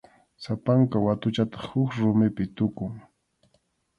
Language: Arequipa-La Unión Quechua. Sapanka watuchataq huk rumipi tukun.